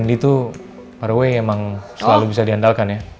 randy tuh by the way emang selalu bisa diandalkan ya